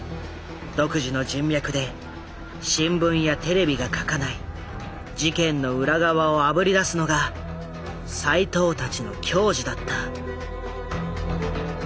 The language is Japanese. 独自の人脈で新聞やテレビが書かない事件の裏側をあぶり出すのが齋藤たちの矜持だった。